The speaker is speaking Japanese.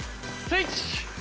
スイッチ！